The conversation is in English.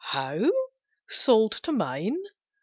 "How! Sold to mine?